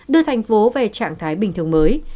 đưa thành phố về trạng thái bình thường mới